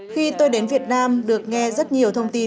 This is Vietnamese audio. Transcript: khi tôi đến việt nam được nghe rất nhiều thông tin